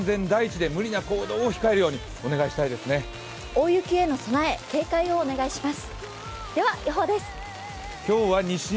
大雪への備え、警戒をお願いします。